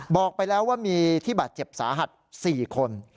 บอกไปแล้วว่ามีที่บาดเจ็บสาหัส๔คน